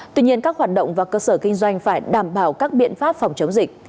tuy nhiên các hoạt động và cơ sở kinh doanh phải đảm bảo các biện pháp phòng chống dịch